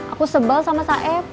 aku sebel sama saeb